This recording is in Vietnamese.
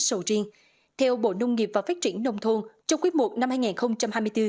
sầu riêng theo bộ nông nghiệp và phát triển nông thôn trong quý i năm hai nghìn hai mươi bốn